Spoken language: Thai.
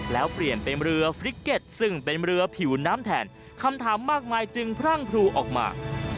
แล้วเปลี่ยนเป็นเรือฟริกเก็ตซึ่งเป็นเรือผิวน้ำแทนคำถามมากมายจึงพรั่งพรูออกมา